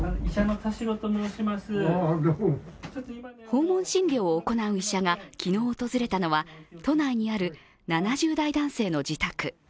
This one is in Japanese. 訪問診療を行う医者が昨日訪れたのは都内にある７０代男性の自宅。